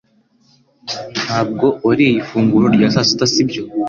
Ntabwo wariye ifunguro rya sasita sibyo